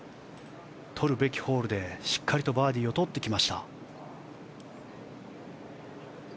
取るべきホールでしっかりバーディーを取ってきました。